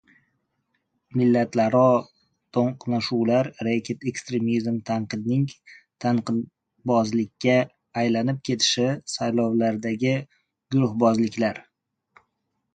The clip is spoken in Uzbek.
Millatlararo to‘qnashuvlar, reket, eketremizm, tanqidning tanqidbozlikka aylanib ketishi, saylovlardagi guruhbozliklar…